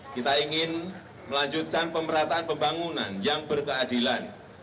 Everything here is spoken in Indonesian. kita ingin melanjutkan pemerataan pembangunan yang berkeadilan